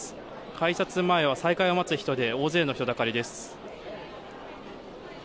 改札前は再開を待つ人で大勢の人だかりです。